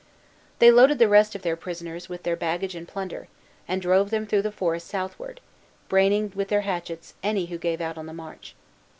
They loaded the rest of their prisoners with their baggage and plunder, and drove them through the forest southward, braining with their hatchets any who gave out on the march.